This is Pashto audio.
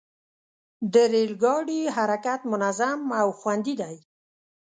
د ریل ګاډي حرکت منظم او خوندي دی.